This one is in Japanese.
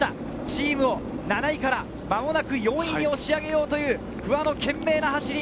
チームを７位から間もなく４位に押し上げようという不破の懸命な走り。